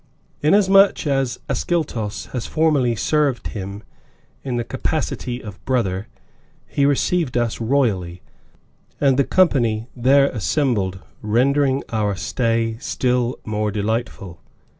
Inasmuch as Ascyltos has formerly served him in the capacity of "brother," he received us royally, and the company there assembled, rendered our stay still more delightful.